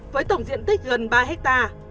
với tổng diện tích gần ba ha